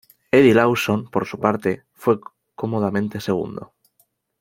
Eddie Lawson, por su parte, fue cómodamente segundo.